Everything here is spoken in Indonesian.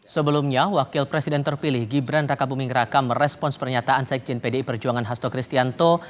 sebelumnya wakil presiden terpilih gibran raka buming raka merespons pernyataan sekjen pdi perjuangan hasto kristianto